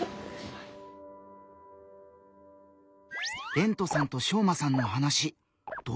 れんとさんとしょうまさんの話どうだった？